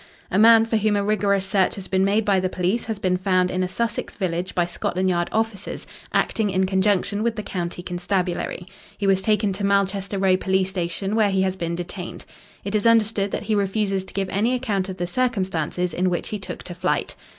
"A man for whom a rigorous search has been made by the police has been found in a Sussex village by Scotland Yard officers, acting in conjunction with the county constabulary. He was taken to Malchester Row police station, where he has been detained. It is understood that he refuses to give any account of the circumstances in which he took to flight.